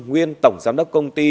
nguyên tổng giám đốc công ty